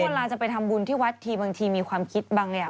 เวลาจะไปทำบุญที่วัดทีบางทีมีความคิดบางอย่าง